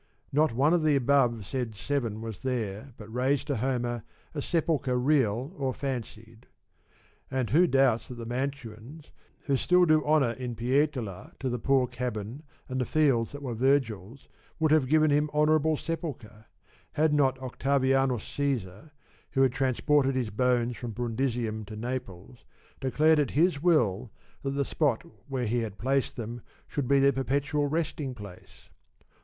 Not one of the above said seven was there but raised to Homer a sepulchre real or fancied. And who doubts that the Mantuans, who still do honour in Pietola to the poor cabin and the fields that were Vergil's, would have given him honour able sepulture had not Octavianus Caesar, who had transported his bones from Brundisium to Naples, declared it his will that the spot where he had placed them should be their perpetual resting place?